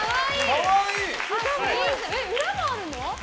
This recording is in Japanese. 裏もあるの？